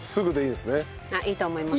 いいと思います。